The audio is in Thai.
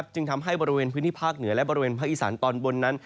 จึงทำให้บริเวณพื้นที่ภาคเหนือและบริเวณภาคอีสานตอนบนนั้น